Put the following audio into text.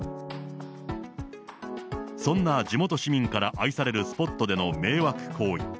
そんな地元市民から愛されるスポットでの迷惑行為。